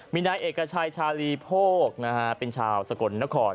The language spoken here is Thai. มีนายเอกชัยชาลีโพกเป็นชาวสกลนคร